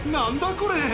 これ！